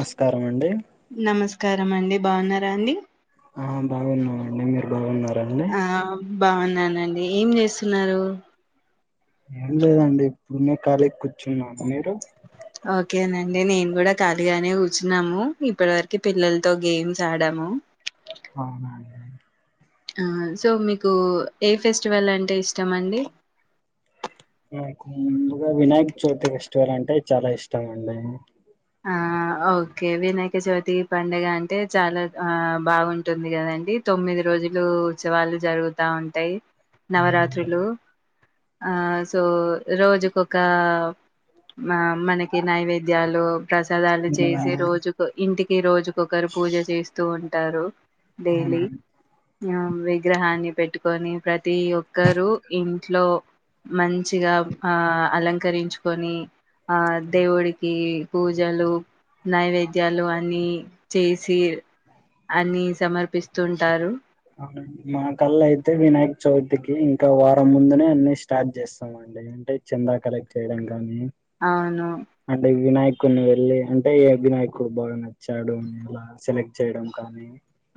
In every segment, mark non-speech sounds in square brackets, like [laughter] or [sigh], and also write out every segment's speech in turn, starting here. మస్కారం అండి. నమస్ కారం అండి. బాన్నారా అండి. ఆ బాగున్నాం అండి మీర్ బాఉన్నారా అండి. బావున్నానండి ఏం చేస్సున్నారు. ఏం లేదండి. పుణె కాలి కు చున్నా మీరు ఓకేనండి నేను కూడా ఖాళీగానే కూర్చున్నాము. ఇప్పటి వరకి పిల్లలతో గేమ్స్ ఆడాము. అవున అం ఆ సో మీకు ఏ ఫెస్టివల్ అంటే ఇష్టమండి. ఆ ముందుగా వినాయక్ చ్యోతి ఫెస్టివల్ అంటే చాలా ఇష్టం అండి. ఆ ఓకే వినాయక చవితి పండుగ అంటే చాలా ఆ బావుంటుంది కదండి. తొమ్మిది రోజులు ఉత్సవాలు జరుగుతా ఉంటయ్‌. అవునండి నవరాత్రులు ఆ సో రోజుకొక ఆ మనకి నైవేద్యాలు ప్రసాదాలు చేసి అవునండి రోజుకు ఇంటికి ఈ రోజుకొకరు పూజ చేస్తూ ఉంటారు. డైలీ అవునండి ఆ విగ్రహాన్ని పెట్టుకొని ప్రతి ఒక్కరు ఇంట్లో మంచిగా ఆ అలంకరించుకొని ఆ దేవుడికి పూజలు నైవేద్యాలు అన్నీ చేసి అన్నీ సమర్పిస్తుంటారు. అవున మా కల్లా అయితే వినాయక చవితికి ఇంకా వారం ముందునే అన్ని స్టార్ట్ చేస్సామండి. అంటే చందా కలెక్ట్ చేయడం కానీ అవును కొన్ని వెళ్ళి అంటే ఎ వినాయకుడు బాగా నచ్చాడుని అలా సెలెక్ట్ చేయడం కానీ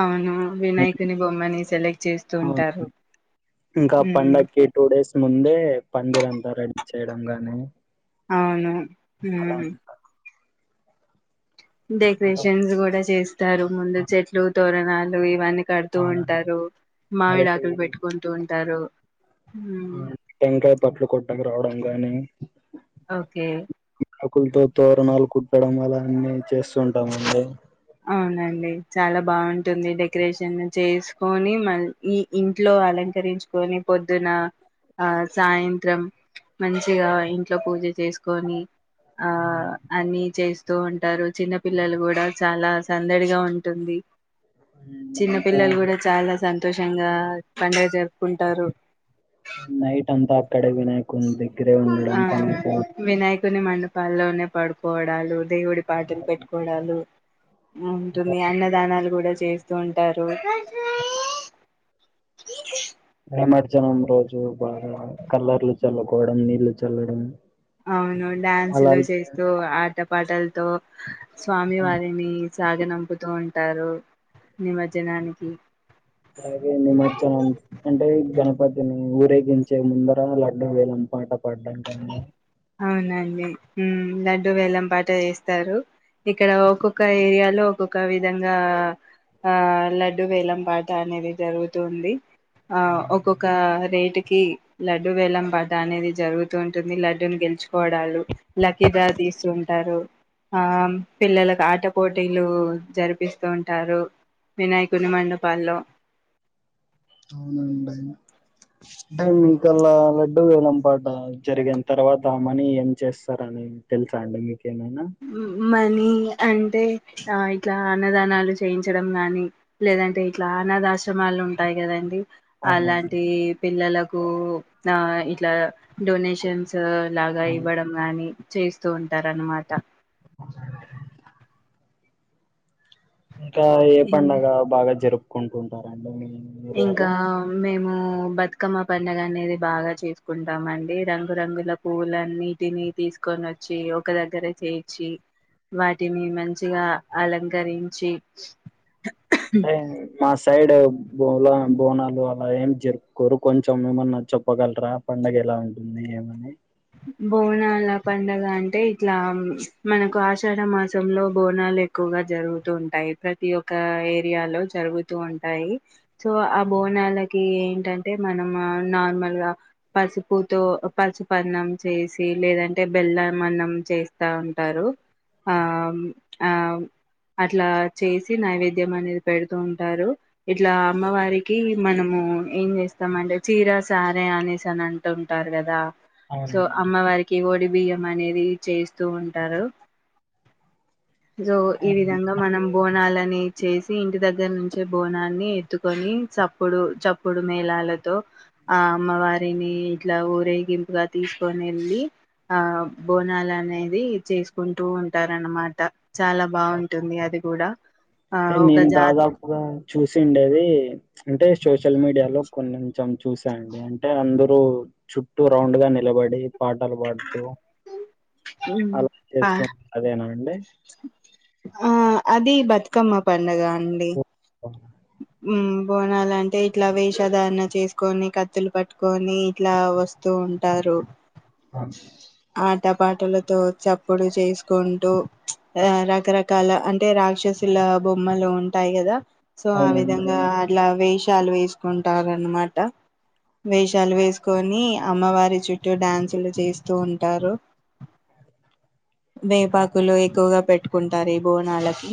అవును వినాయకుని బొమ్మని సెలక్ అవును ఇంకా ఉమ్, పండక్కి టూ డేస్ ముందే పందిర అంతా రెడీ చేయడం గాని అవును హు అలా అంతా ఇంకా డెకరేషన్స్ కూడా చేస్తారు. ముందు చెట్లు తోరణాలు ఇవన్నీ కడుతూ అవునండి ఉంటారు అలాటి మామిడాకులు పెట్టుకుంటూ ఉంటారు మ్మ్ టంకాయ పట్ల కొట్టకు రావడం కాగానీ ఓకే అకులుతో తర నాలుకు ఇక్కడం అలా అన్ని చేస్తుంటామ్ అండి అవునండి చాలా బాగుంటుంది. డెకరేషన్ చేసుకొని, మ ఈ ఇంట్లో అలంకరించుకొని పొద్దున, ఆ సాయంత్రం మంచిగా ఇంట్లో పూజ. చేసుకొని ఆ అండ్ అన్ని చేస్ తూ ఉంటారు చిన్న పిల్లలు కూడా చాలా సందడిగా ఉంటుంది ఇంకా చిన్నపిల్లలు కూడా చాలా సంతోషంగా పండగ జరుపుకుంటారు నైట్ అంతా అక్కడే వినాయకుని దగ్గరే ఉండడం పను కోడ్ కొని మండపాల్లోనే పడుకోవడాలు, దేవుడి పాటలు పెట్టుకోవడాలు ఉంటుంది. అన్నదానాలు కూడా చేస్తూ ఉంటారు. నిమార్జనం రోజు బాగా కలర్లు చల్లుకోవడం నీళ్లు చల్లడం అవును డ్యాన్స్ లు అలాగే చేస్తూ ఆట పాటల్తో స్వామి వారిని సాగనం చెతూ ఉంటారు నిమజ్జనానికి అ నిమ్ట్చనా అంటే గణపతి పతిని ఊరేగించే ముందర లడ్డం వేళం పాట పాడడం కానీ అవునండి లడ్డుూ వేలం పాట చేస్తారు ఇక్కడ ఒక్కొక్క ఏరియాలో ఒక్కొక్క విధంగా ఆ లడ్డు వేలం పాట అనేది జరుగుతుంది ఆ అవునండి ఒక్కొక్క రేటి కి లడ్డు వేల్లం పాట అనేది జరుగుతూ ఉంటుంది లడ్ డున్ గెల్చ్ పోడాల్లు లక్కి డాత్ తీస్తుంటారు ఆ పిల్లలకు ఆట పోటీలు జరిపిస్తూ ఉంటారు వినాయకుని మండపాల్లో అవునండి అంటే మీకలా లడ్డూ వేలం పాట జరిగిన తర్వాత మనీ ఏం చేస్తారని తెలుసా అండి మీకు ఉ మనీ అంటే ఆ ఇట్లా అన్నదానాలు చేయించడం గానీ లేదంటే ఇట్లా అనాథాశ్రమాలు ఉంటాయి కదండి అవునండి అలాంటి పిల్లలకు కు ఆ ఇట్లా డొనేషన్స్ లాగా అవును ఇవ్వడం గాని చేస్తూ ఉంటారు అన్నమాట స ఇంకా ఏ పండగ బాగా జరుపు కొంటుందరండీ మీ ఏరియాలో ఇంకామేం మా బతుకమ్మ పండుగ అనేది బాగా చేసుకుంటామ అండి రంగురంగుల పువుల్లన్నీ దిన్ని తీసుకొని వచ్చి ఓ ఒక దగ్గర చేర్చి వాటిని మంచిగా అలంకరించి అంతే ఆండీ మా సైడ్ బోలో బోనాలు అలా ఏం జరుపుకోరు కొంచెం ఏమన్నా చెప్పగలరా పండుగ ఎలా ఉంటుంది ఏమని బోనాల పండగ అంటే ఇట్లా పిచ్ మనకు ఆషాఢ మాసంలో బోనాలు ఎక్కువగా జరుగుతూ ఉంటాయి ప్రతి ఒక్క ఏరియాలో జరుగుతూ ఉంటాయి సో ఆ బోనాలకి ఏంటంటే మనము నార్మల్గా పసుపుతో పసుపన్నం చేసి లేదంటే బెల్లం అన్నం చేస్తా ఉంటారు, ఆ ఆమ్ అట్లా చేసి నైవేద్యం అనేది పెడుతూ ఉంటారు ఇట్లా అమ్మవారికి మనము ఏం చేస్తామంటే చీరా సారే అనేసి అని అంటుంటారు కదా సో అవునండి అమ్మ వారికి ఓడి బియ్యం అనేది చేస్త చేస్తూ ఉంటారు సో ఈ కానీ విధంగా మనం బోనాలనీ చేసి ఇంటి దగ్గర నుంచే బోనాన్ని ఎత్తుకొని చప్పుడు చాప్ కుడిమేలాలతో ఆ అమ్మవారిని ఇట్ల ఊరేగిింపు తీసుకొని వెళ్ళి ఆ బోనాలు అనేది చేసుకుంటూ ఉంటారనమాట, చాలా బాగుంటుంది అది కూడా ఆ అంటే ఒక నేను జాత దాదాపుగా చూసిండేది, అంటే సోషల్ మీడియాలో కొంచం చూసా ఆండీ అంటే అందరుూ చుట్టూ రౌండ్ గా నిలబడి పాటలు పాడుతూ అలా చేస్తు అదేనా అండి ఆహ్ ఆహ్ అది బతుకమ్మ పండగ అండి ఓ ఉమ్ బోనాలంటే ఇట్లా వేషధారణ చేసుకొని కత్తులు పట్టుకొని ఇట్లా వస్తూ ఉంటారు ఆ చ్ ఆట పాటలతో చప్పుడు చేసుకుంటూ, పచ్ ఆ రకరకాల అంటే రాక్షసుల బొమ్మలు ఉంటాయి కదా సో ఆ అవునండి విధంగా అట్లా వేష్ వేషాలు వేసుకుంటారు అనమాట, వేషాలు వేసుకొని అమ్మవారి చుట్టూ డ్యాన్సులు చేస్త తు ఉంటారు ఇంకా వేపాకులు ఎక్కువగా పెట్టు కుంటారు ఈ బోనాలికి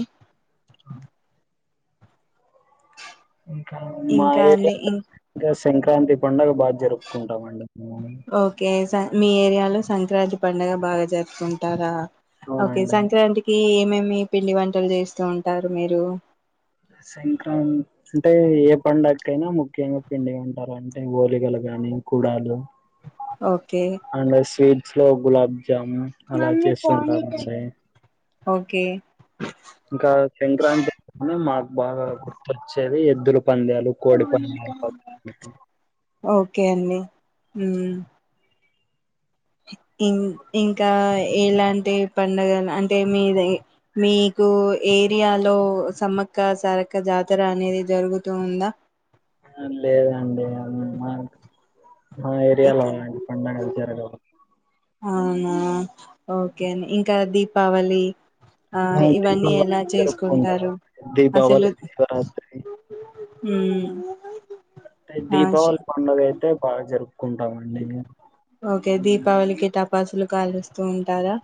మా ఇంకా ఏరియా అండి ఇం ఇంకా సంక్రాంతి పండగ బాగా జరుపుకుంటామండి మేము ఓకే స మీ ఏరియాలో సంక్రాంతి పండుగ బాగా జరుపుకుంటారా ఓకే అవునండి సంక్రాంతికి ఏమేమ్ మీ పిండి వంటలు చేస్తూ ఉంటారు మీరు సంక్రాంతి అంటే ఏ పండకైనా ముఖ్యంగా పిండి వంటలు అంటే వోలిగలు గానీ కుడాలు ఓక్ అండ్ స్వీట్ శ్లో గులాబ్ జాము అలా చేస్తుంటామండి ఓకే ఇంకా సంక్రాంతి మాకు బాగా గుర్తొచ్చ్ టరు ఎద్దులు ఓకే అండి ఉమ్ ఇం ఇంకా ఎలాంటి పండగలు అంటే మీది మీకు ఏరియాలో సమ్మక్క సారక్క జాతర అనేది జరుగుతూ ఉందా లేదండి అన్ ఆ ఇక్ ఏరియాలో అ పండగ చార్ కదా అవునా ఓకే అండ్ ఇంకా దీపావళి ఆ ఇవన్నీ ఎలా [unintelligible] చేసుకుంటారు దీపావళి శివరాత్రి ఉమ్ అంటే దీపావళి పండుగ అయితే బాగా జరుగ్ కుంటామండి మేమ్ పవలికి టపాసులు కాలుస్తూ ఉంటారా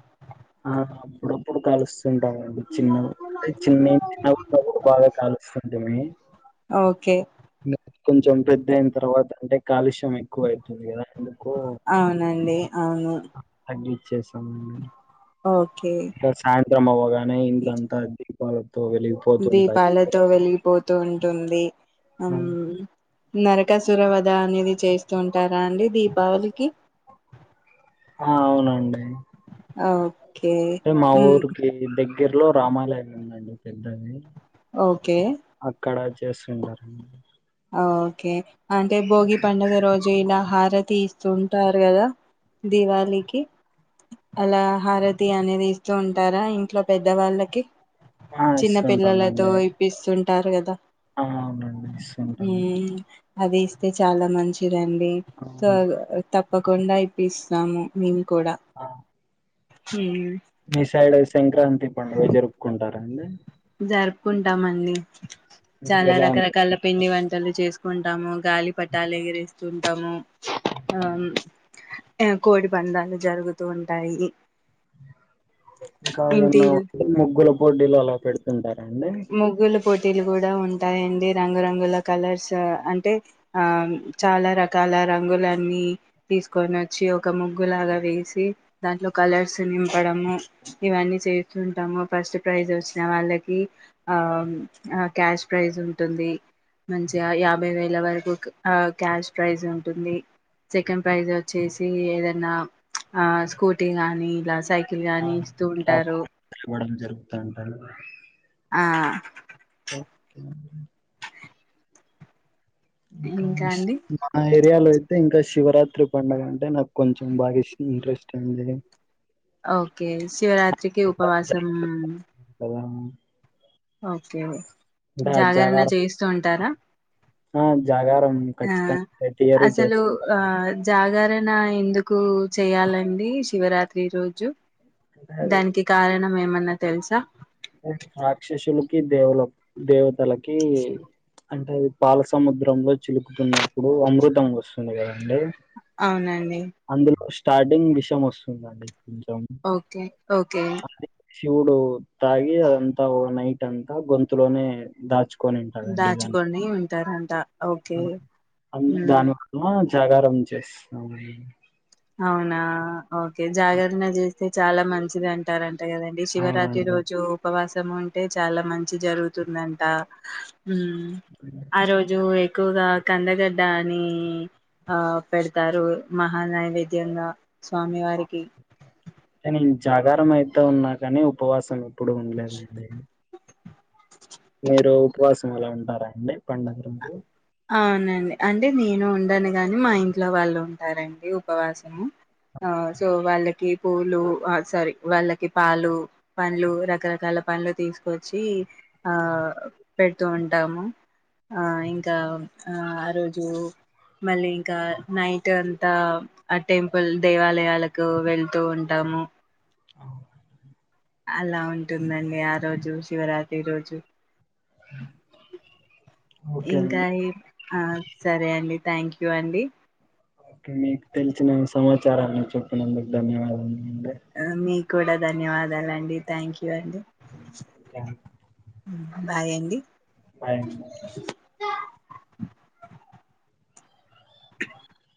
ఆ అప్పుడప్పుడు కాలుస్ తుంటామండి చిన్న అంటే చిన్నవి చిన్నగున్నప్పుడు బాగా కాలుస్తు ఓకే ఎమన్నవ్ కొంచెం పెద్ద అయిన తర్వాత అంటే కాలుష్ యం ఎక్కువ అవుతుంది కదా అందుకు అవునండి అవును అ ఇచ్చేస్తామండి ఓకే ఇంకా సాయంత్రం అవ్వగానే ఇల్లాంతా అద్ ప దీపాలతో వెలిగిపోత్ తూ ఉంటుంది అమ్ అవును నరకాసుర వధ అనేది చేస్తూ ఉంటారా అండి. దీపావళికి ఆ అవునండి. ఆ ఓ టే మా ఊర్కి ద గ్గిరిలో రామాలయం ఉందండి. పెద్దది ఓకే క్కడ చేస్సుంటారండి. ఓకే అంటే భోగి పండుగ రోజు ఇలా హారత్ తీస్తూ ఉంటారు. కదా దివాళికి అలా హరతి అనేది ఇస్తూ ఉంటారా ఇంట్లో పెద్దవాళ్ళకి ఆ చిన్న పిల్లలతో ఇస్తుంటామండి ఇప్పిస్సుం. టారు కదా ఆ అవునండి. ఇస్తుంటాం మ్మ్ఉ అది ఇస్తే చాలా మంచి ండి సో అవునా ఆ తప్ తప్పకుండా ఇప్పిస్సాము మి కూడా ఆ ఉమ్ మీ సైడ్ సంక్రాంతి పండుగ జరుపుకుంట అండి. జరుపుకుంటాం అండి. అంటే చాలా ఎలా రకరకాల పిండి వంటలు చేసుకుంటాము గాలి పటాలేగిరిస్ చుంటాము. ఉంటుందండి అం ఆ కోడి పందాలు జరుగుతూ ఉంటాయి. ఇంకా ఇంటి ఏమన్నా ముగ్గుల పోటీలు అలా పెడ్ ఉంటా ముగ్గుల పో టిలు కూడా ఉంటాయండి. రంగురంగుల కలర్స్ అంటే ఆ చాలా రకాల రంగులన్నీ తీసుకొని వచ్చి, ఒక ముగ్గులాగా వేసి దాంట్లో కలర్స్ నింపడము ఇవన్నీ చేతుంటాము. ఫస్ట్ ప్రైజ్ వచ్చిన వాళ్ళకి ఆ క్యాష్ ప్రైజ్ ఉంటుంది. మంచిగా యాభై వేల వరకు ఆ క్యాష్ ప్రైజ్ ఉంటుంది. సెకండ్ ప్రైజ్ వచ్చేసి ఏదన్నా చ్ ఆ స్కూటీ గానీ ఇలా సై అవును ఇవ్వడం జరుగుతాంటది. ఆ ఓకే ఇంకా మా ఏరియాలో అయితే ఇంకా శివరాత్రి పండగ అంటే నాకు కొంచెం బాగా ఇష్టం ఇంట్రెస్ట్ అయింది ఓకే శివరాత్రికి ఉపవాసం హ్మ్ ఓకే జాగరణ జాగారం చేస్తూ ఉంటారా ఆ జాగరం హ్మ్ ఆ ఖచ్చితంగా రెగ్యులర్ అసలు చేస్తుంట ఆ జాగరణ ఎందుకు చేయాలన్ [unintelligible] శివరాత్రి రోజు అంటే అది దానికి కారణం ఏమన అన్న తెల్సా రాక్షసులకి దేవలోక్ దేవతలకి కి ప్చ్ అంటే అది పాల సముద్రంలో చిలుకుతున్నప్పుడు అమృతం వస్తుంది కదండి. అవునండి అందులో స్టార్టింగ్ విషయం వస్తుందండి కొంచెం ఓకే ఓకే అది శివుడు తాగి అంతా ఒక నైట్ అంతా గొంతులోనే దాచుక దాచుకోని నంటా అ దాన్ వాల్నా జాగారం చేస్తామ్ అవునా ఓకే జాగరణ చేస్తే చాలా మంచిది అంటారండి అంట కదండి శివరాత్రి అవునండి. రోజు ఉపవాస ఉంటే చాలా మంచి జరుగుతుందంట ఊ ఆ రోజు ఏక్ ఎక్కువగా కందగడ్డ అని ఆ పెడతారు మహానంది మధ్యంగా స్వామి వారికి అని జాగారం అయితే ఉన్నా కాని ఉపవాసం ఎప్పుడు ఉండలేదండి మీరు ఉపవాసం అలా ఉంటారా అండి పండగ రోజు. అవునండి అంటే నేను ఉండను గాని మా ఇంట్లో వాళ్ళు ఉంటారండి ఉపవాసము, ఆ సో వాళ్ళకి పూలు ఆ సారీ వాళ్ళకి పాలు, పండ్లు రకరకాల పండ్లు తీసుకొచ్చీ ఆ పెడుతూ ఉం టాము. ఆ ఇం ఆ ఆ రోజు మళ్ళీ ఇంకా నైట్ అంతా ఆ టెంపుల్ దేవాలయాలకు వెళ్తూ ఉంటాము. అలా ఉంటుందండి ఆ రోజు శివరాత్రి రోజు. ఓకే ఇంకా అండి. ఎ ఆ సరే అండి థ్యాంక్ యూ అండి. ఓకే మీకు తెలిసిన సమాచారాన్ని చెప్పినందుకు ధన్యవాదాలు. అ మీ కూడా ధన్యవాదాల అండి థ్యాంక్ క్యు అండి ఓకే అండి బాయ్ అండి. ఓకే, బాయ్ అండి.